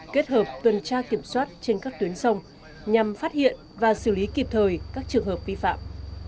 kết hợp tuần tra kiểm soát trên các tuyến sông nhằm phát hiện và xử lý kịp thời các trường hợp vi phạm